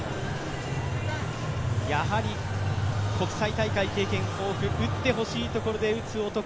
やはり国際大会経験豊富、打って欲しいところで打つ男